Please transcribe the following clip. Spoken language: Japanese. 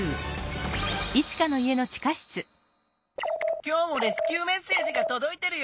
今日もレスキューメッセージがとどいてるよ。